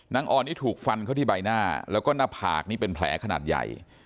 ออนนี่ถูกฟันเข้าที่ใบหน้าแล้วก็หน้าผากนี่เป็นแผลขนาดใหญ่